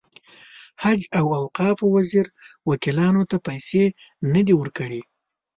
حج او اوقاف وزیر وکیلانو ته پیسې نه دي ورکړې.